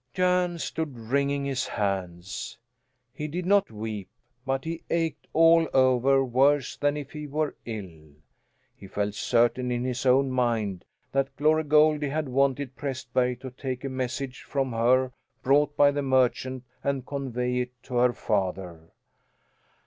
Jan stood wringing his hands. He did not weep, but he ached all over worse than if he were ill. He felt certain in his own mind that Glory Goldie had wanted Prästberg to take a message from her brought by the merchant and convey it to her father.